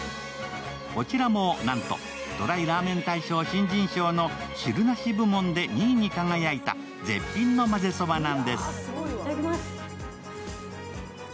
こちらも、なんとＴＲＹラーメン大賞新人賞の汁なし部門で２位に輝いた絶品のまぜそばなんです。